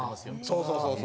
そうそうそうそう。